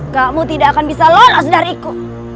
kamu tidak akan bisa lolos dariku